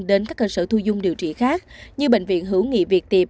đến các cơ sở thu dung điều trị khác như bệnh viện hữu nghị việc